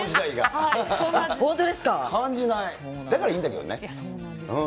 だからいいんだけどね。